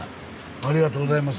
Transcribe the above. ありがとうございます。